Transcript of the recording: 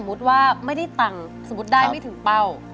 ว่าไม่ได้ตังค์สมมุติได้ไม่ถึงเป้า